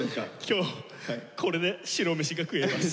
今日これで白飯が食えます。